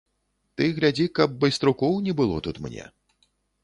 Ты глядзі, каб байструкоў не было тут мне.